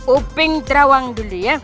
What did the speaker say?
iping terawang dulu ya